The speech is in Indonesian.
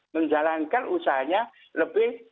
menjalankan usahanya lebih